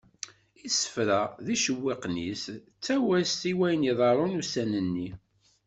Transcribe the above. Isefra d yicewwiqen-is d ttaswast n wayen iḍeṛṛun ussan nni.